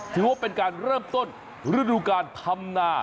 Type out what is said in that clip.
ถือว่าเป็นการเริ่มต้นฤดูการทำนา